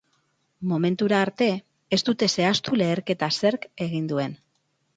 Momentura arte, ez dute zehaztu leherketa zerk eragin duen.